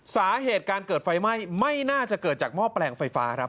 สาเหตุการเกิดไฟไหม้ไม่น่าจะเกิดจากหม้อแปลงไฟฟ้าครับ